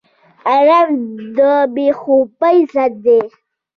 انار د بې خوبۍ ضد دی.